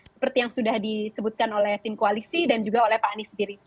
seperti yang sudah disebutkan oleh tim koalisi dan juga oleh pak anies sendiri